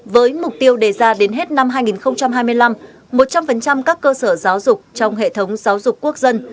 với mục tiêu đề ra đến hết năm hai nghìn hai mươi năm một trăm linh các cơ sở giáo dục trong hệ thống giáo dục quốc dân